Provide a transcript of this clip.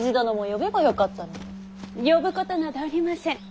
呼ぶことなどありません。